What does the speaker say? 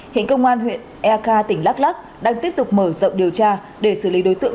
hiện công an huyện eka tỉnh đắk lắc đang tiếp tục mở rộng điều tra để xử lý đối tượng